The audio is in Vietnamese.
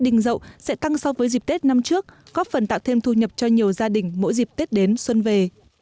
đình dậu sẽ tăng so với dịp tết năm trước góp phần tạo thêm thu nhập cho nhiều gia đình mỗi dịp tết đến xuân về